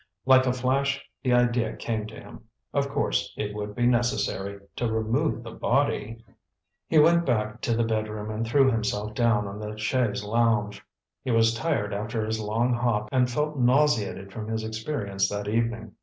Like a flash the idea came to him. Of course, it would be necessary to remove the body— He went back to the bedroom and threw himself down on the chaise longue. He was tired after his long hop, and felt nauseated from his experience that evening.